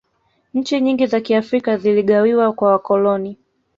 nchi nyingi za kiafrika ziligawiwa kwa wakoloni